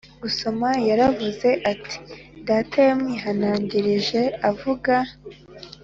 Gusoma yaravuze ati data yamwihanangirije avuga